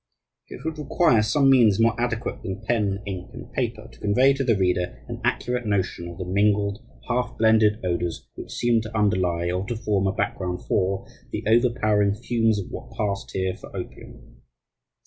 It would require some means more adequate than pen, ink, and paper, to convey to the reader an accurate notion of the mingled, half blended odours which seemed to underlie, or to form a background for, the overpowering fumes of what passed here for opium.